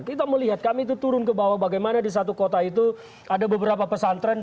kita melihat kami itu turun ke bawah bagaimana di satu kota itu ada beberapa pesantren